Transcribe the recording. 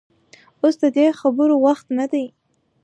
اوس د دې خبرو وخت نه دى.